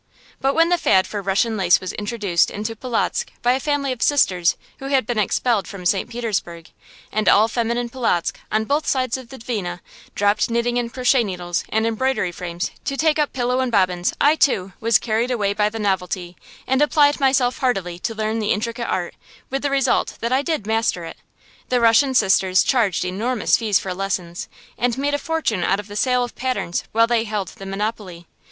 But when the fad for "Russian lace" was introduced into Polotzk by a family of sisters who had been expelled from St. Petersburg, and all feminine Polotzk, on both sides of the Dvina, dropped knitting and crochet needles and embroidery frames to take up pillow and bobbins, I, too, was carried away by the novelty, and applied myself heartily to learn the intricate art, with the result that I did master it. The Russian sisters charged enormous fees for lessons, and made a fortune out of the sale of patterns while they held the monopoly.